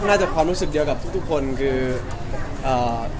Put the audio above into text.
ผมก็น่าจะความรู้สึกเดียวกับทุกคนคือ